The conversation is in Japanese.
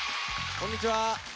こんにちは。